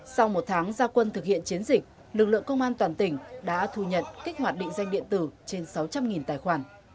sau một tháng gia quân thực hiện chiến dịch lực lượng công an toàn tỉnh đã thu nhận kích hoạt định danh điện tử trên sáu trăm linh tài khoản